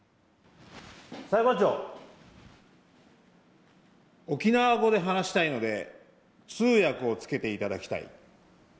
裁判長、沖縄語で話したいので通訳をつけていただきたい。